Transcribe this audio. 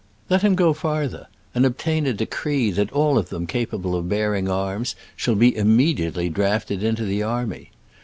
Let him go farther, and obtain a decree that all of them capable of bearing arms shall be immediately drafted into the army.